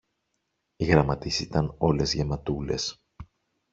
οι γραμματείς ήταν όλες γεματούλες